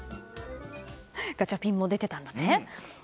ガチャピンも出てたんだね。